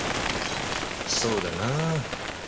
そうだなぁ。